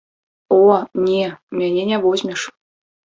О, не, мяне не возьмеш.